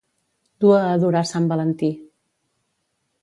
Dur a adorar sant Valentí.